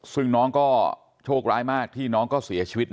ซึ่งน้องก็โชคร้ายมากที่น้องก็เสียชีวิต